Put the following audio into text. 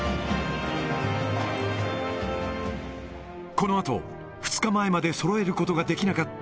このあと、２日前までそろえることができなかった